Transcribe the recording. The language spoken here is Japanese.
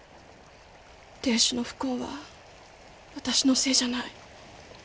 亭主の不幸は私のせいじゃない。